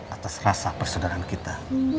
atas rasa persaudaraan kita